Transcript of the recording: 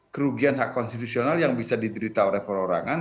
kerugian hak konstitusional yang bisa diderita oleh perorangan